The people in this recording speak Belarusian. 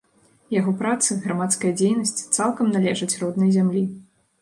Яго працы, грамадская дзейнасць цалкам належаць роднай зямлі.